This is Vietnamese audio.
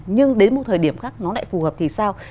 nhưng đến một thời điểm khác nó lại phù hợp thì sao